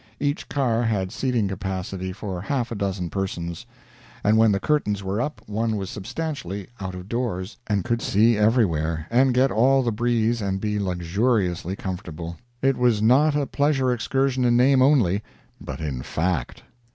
Each car had seating capacity for half a dozen persons; and when the curtains were up one was substantially out of doors, and could see everywhere, and get all the breeze, and be luxuriously comfortable. It was not a pleasure excursion in name only, but in fact.